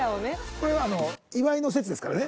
これは岩井の説ですからね。